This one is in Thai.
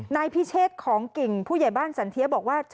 นายพิเชษของกิ่งผู้ใหญ่บ้านสันเทียบอกว่า